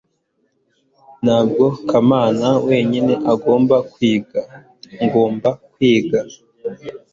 ntabwo kamana wenyine agomba kwiga. ngomba kwiga